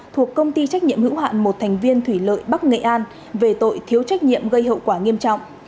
thuộc công ty trách nhiệm hữu hạn một thành viên thủy lợi bắc nghệ an về tội thiếu trách nhiệm gây hậu quả nghiêm trọng